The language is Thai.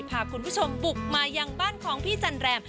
พาคุณผู้ชมบุกมายังบ้านของพี่จันแรม